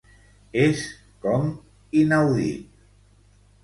És com, inaudit.